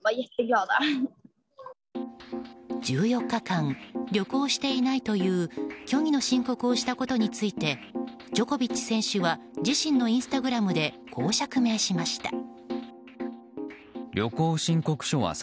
１４日間旅行していないという虚偽の申告をしたことについてジョコビッチ選手は自身のインスタグラムでこう釈明しました。